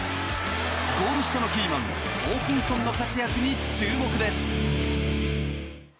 ゴール下のキーマンホーキンソンの活躍に注目です。